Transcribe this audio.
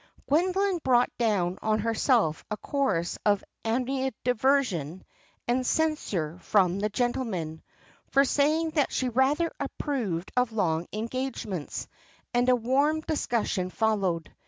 Gwendoline brought down on herself a chorus of animadversion and censure from the gentlemen, for saying that she rather approved of long engagements, and a warm discussion followed.